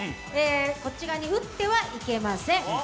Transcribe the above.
こっち側に打ってはいけません。